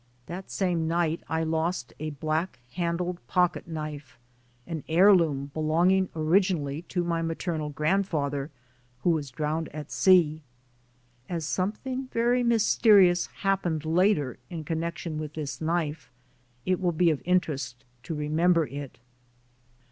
That same night I lost a black handled pocket knife, an heir loom, belonging originally to my maternal grand father, who was drowned at sea. As something v^ery mysterious happened later in connection with this knife, it will be of interest to remember it.